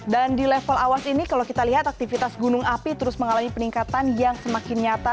dan di level awas ini kalau kita lihat aktivitas gunung api terus mengalami peningkatan yang semakin nyata